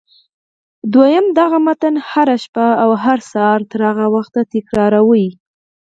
دويم دغه متن هره شپه او هر سهار تر هغه وخته تکراروئ.